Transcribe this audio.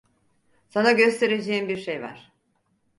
Sana göstereceğim bir şey var.